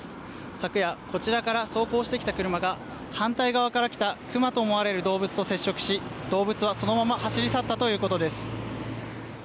昨夜こちらから走行してきた車が反対側からクマと思われる動物と接触し動物はそのまま走り去ったということです。